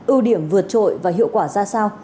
ưu điểm vượt trội và hiệu quả ra sao